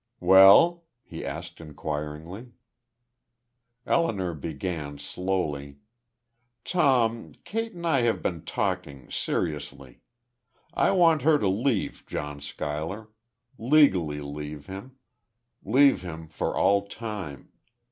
"Well?" he asked, inquiringly. Elinor began, slowly: "Tom, Kate and I have been talking, seriously. I want her to leave John Schuyler legally leave him leave him for all time.